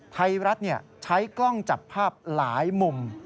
ไทยรัฐใช้กล้องจับภาพหลายมุม